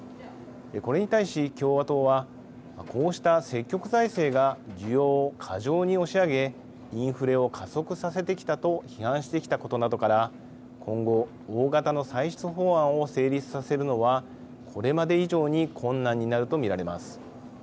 これに対し共和党はこうした積極財政が需要を過剰に押し上げインフレを加速させてきたと批判してきたことなどから今後、大型の歳出法案を成立させるのはこれまで以上に困難になると見られます。